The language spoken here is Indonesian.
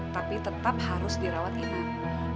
tapi tetap harus dirawat inap